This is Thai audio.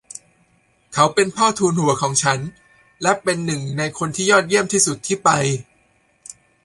เขาเป็นพ่อทูนหัวของฉัน และเป็นหนึ่งในคนที่ยอดเยี่ยมที่สุดที่ไป